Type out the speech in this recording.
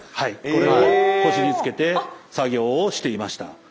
これを腰につけて作業をしていました。